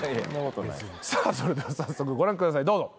さあそれでは早速ご覧くださいどうぞ。